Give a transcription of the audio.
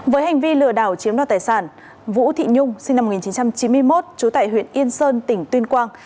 với hành vi lừa đảo chiếm đoạt tài sản vũ thị nhung sinh năm một nghìn chín trăm chín mươi một trú tại huyện yên sơn tỉnh tuyên quang